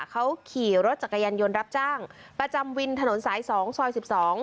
เขาขี่รถจักรยานยนต์รับจ้างประจำวินถนนสายสองซอยสิบสอง